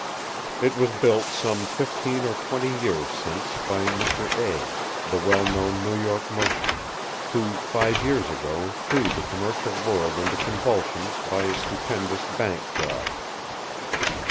It was built some fifteen or twenty years since by Mr. A——, the well known New York merchant, who five years ago threw the commercial world into convulsions by a stupendous bank fraud.